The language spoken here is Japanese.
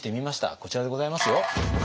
こちらでございますよ。